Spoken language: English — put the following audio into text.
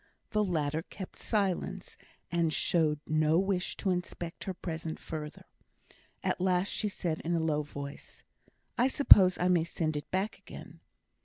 The latter kept silence, and showed no wish to inspect her present further. At last she said, in a low voice, "I suppose I may send it back again?"